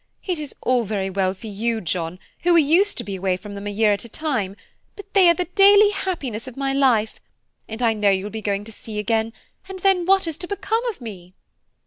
It is all very well for you, John, who are used to be away from them a year at a time; but they are the daily happiness of my life, and I know you will be going to sea again, and then what is to become of me?"